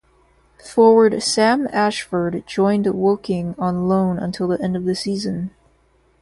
Forward Sam Ashford joined Woking on loan until the end of the season.